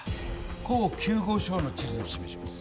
甲９号証の地図を示します